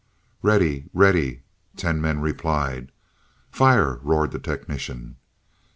"Ready ready " Ten men replied. "Fire!" roared the technician.